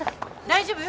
大丈夫？